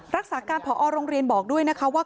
รักษาการผอโรงเรียนบอกด้วยนะคะว่า